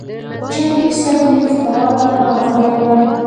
چې امير صېب مې خواله راغلے وۀ -